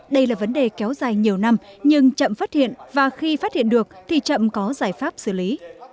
đây là vấn đề kéo dài nhiều năm nhưng chậm phát hiện và khi phát hiện được thì chậm có giải pháp xử lý